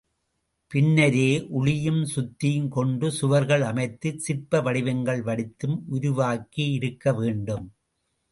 பின்னரே உளியும் சுத்தியும் கொண்டு சுவர்கள் அமைத்தும் சிற்ப வடிவங்கள் வடித்தும் உருவாக்கியிருக்க வேண்டும்.